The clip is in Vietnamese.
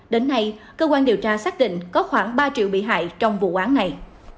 đến nay cơ quan điều tra xác định có khoảng ba triệu bị hại trong vụ án này